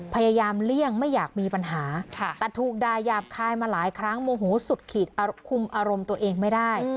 เลี่ยงไม่อยากมีปัญหาแต่ถูกด่ายาบคายมาหลายครั้งโมโหสุดขีดคุมอารมณ์ตัวเองไม่ได้